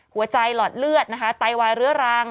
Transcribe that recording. หลอดเลือดนะคะไตวายเรื้อรัง